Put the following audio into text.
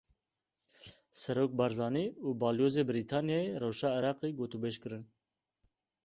Serok Barzanî û Balyozê Brîtanyayê rewşa Iraqê gotûbêj kirin.